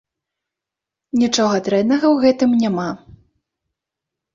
Нічога дрэннага ў гэтым няма.